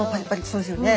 そうですよね。